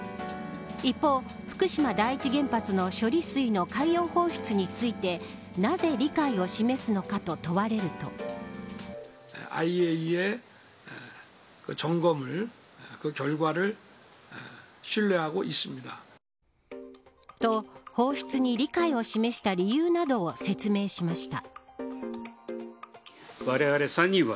一方、福島第一原発の処理水の海洋放出についてなぜ理解を示すのかと問われると。と、放出に理解を示した理由などを説明しました。